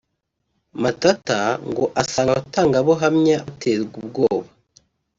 Matata ngo asanga abatangabuhamya baterwa ubwoba